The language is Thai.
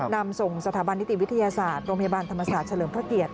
นำส่งสถาบันนิติวิทยาศาสตร์โรงพยาบาลธรรมศาสตร์เฉลิมพระเกียรติ